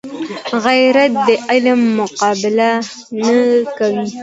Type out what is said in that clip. غیرت د علم مقابله نه کوي